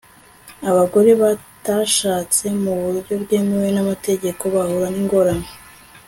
abagore batashatse mu buryo bwemewe n'amategeko bahura n'ingorane